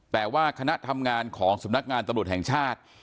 แต่ว่าคณะทำงานของสำนักงานตำรวจแห่งชาติ